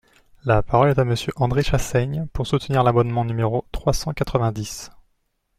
La parole est à Monsieur André Chassaigne, pour soutenir l’amendement numéro trois cent quatre-vingt-dix.